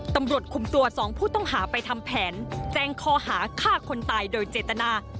ตำรวจคุมตัวสองผู้ต้องหาไปทำแผนแจ้งคอหาฆ่าคนตายโดยเจตนา